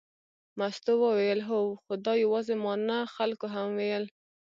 مستو وویل هو، خو دا یوازې ما نه خلکو هم ویل.